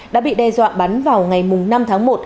đã bị đe dọa bắn vào ngày năm tháng một